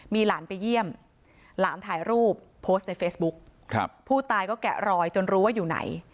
มีหลานไปเยี่ยมหลานถ่ายรูปโพสต์ในเฟซบุ๊คผู้ตายก็แกะรอยจนรู้ว่าอยู่ไหน